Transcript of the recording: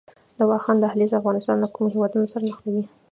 د واخان دهلیز افغانستان له کوم هیواد سره نښلوي؟